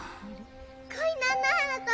こい何の花と？